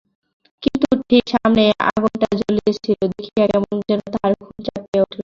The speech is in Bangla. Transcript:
কিন্তু ঠিক সামনেই আগুনটা জ্বলিতেছিল, দেখিয়া কেমন যেন তাহার খুন চাপিয়া উঠিল।